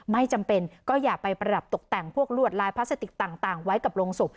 ไม่จำเป็นก็อย่าไปประดับตกแต่งพวกลวดลายพลาสติกต่างไว้กับโรงศพ